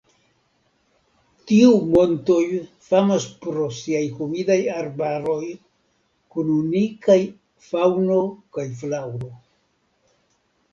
Tiu montoj famas pro siaj humidaj arbaroj kun unikaj faŭno kaj flaŭro.